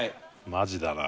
マジだな。